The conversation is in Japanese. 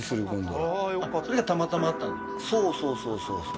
そうそうそうそう